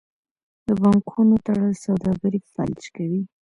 د بانکونو تړل سوداګري فلج کوي.